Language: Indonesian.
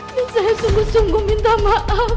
dan saya sungguh sungguh minta maaf